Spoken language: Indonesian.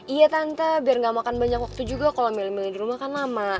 iya tante biar gak makan banyak waktu juga kalau milih milih di rumah kan lama